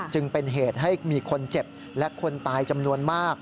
จึงเป็นเหตุให้มีคนเจ็บและคนตายจำนวนมาก